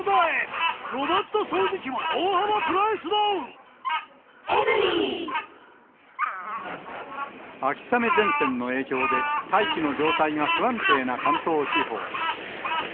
今ごろ、コーヒーをおごって秋雨前線の影響で、大気の状態が不安定な関東地方。